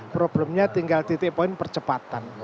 problemnya tinggal titik poin percepatan